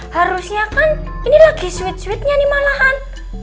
harusnya kan ini lagi sweet sweetnya nih malahan